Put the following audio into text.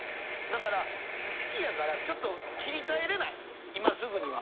だから好きやからちょっと切り替えれない今すぐには。